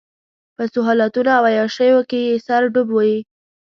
په سهولتونو او عياشيو کې يې سر ډوب وي.